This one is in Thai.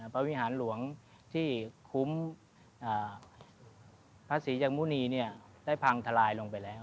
พระวิหารหลวงที่คุ้มพระศรีจังมุณีได้พังทลายลงไปแล้ว